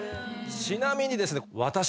ちなみにですね。